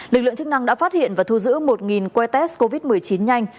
lực lượng chức năng đã phát hiện và thu giữ một quay test covid một mươi chín nhanh